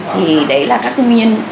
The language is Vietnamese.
thì đấy là các nguyên nhân